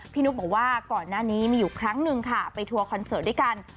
นุ๊กบอกว่าก่อนหน้านี้มีอยู่ครั้งหนึ่งค่ะไปทัวร์คอนเสิร์ตด้วยกัน